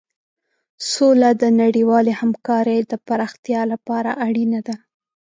سوله د نړیوالې همکارۍ د پراختیا لپاره اړینه ده.